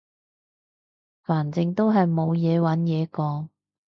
反正都係冇嘢揾嘢講